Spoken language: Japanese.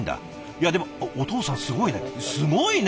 いやでもお父さんすごいね。